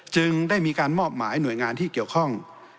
จึงได้มีการมอบหมายหน่วยงานที่เกี่ยวข้อง